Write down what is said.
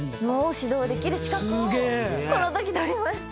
指導できる資格をこのとき取りました。